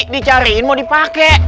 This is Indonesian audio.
dicariin mau dipake